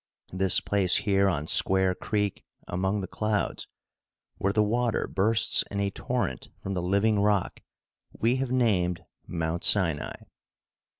This place here on Square Creek, among the clouds, where the water bursts in a torrent from the living rock, we have named Mount Sinai.